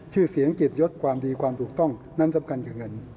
ชื่อเสียงเกียรติยศความดีความถูกต้องนั้นสำคัญกับเงิน